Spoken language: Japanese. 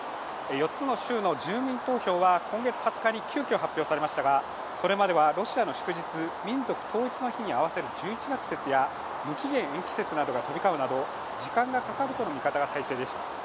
４つの州の住民投票は今月２０日に急きょ発表されましたがそれまではロシアの祝日、民族統一の日に合わせる１１月説や無期限延期説が飛び交うなど、時間がかかるとの見方が大勢でした。